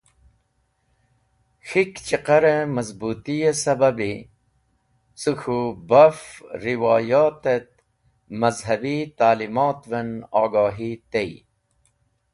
K̃hik Chiqare mazbutiye sababi ce k̃hu baf riwoyotet mazhabi ta’limotven Ogohi tey.